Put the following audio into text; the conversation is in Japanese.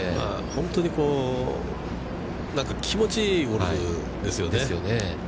本当にこう、気持ちいいゴルフですよね。